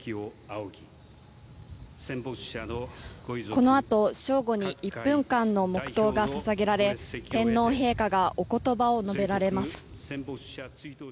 このあと正午に１分間の黙祷が捧げられ天皇陛下がお言葉を述べられます。